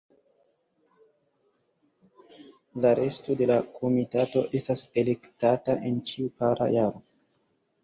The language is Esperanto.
La resto de la komitato estas elektata en ĉiu para jaro.